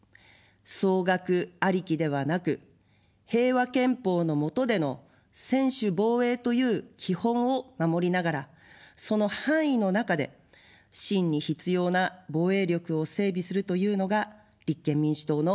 総額ありきではなく、平和憲法の下での専守防衛という基本を守りながら、その範囲の中で真に必要な防衛力を整備するというのが立憲民主党の立場です。